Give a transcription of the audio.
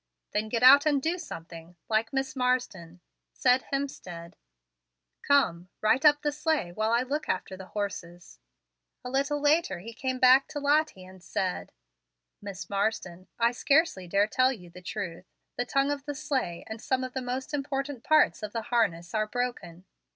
"Then get out and do something, like Miss Marsden," said Hemstead. "Come, right up the sleigh while I look after the horses." A little later he came back to Lottie, and said: "Miss Marsden, I scarcely dare tell you the truth. The tongue of the sleigh and some of the most important parts of the harness are broken.